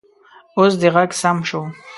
اوس دې غږ سم شو